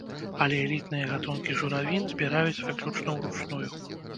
Але элітныя гатункі журавін збіраюць выключна ўручную.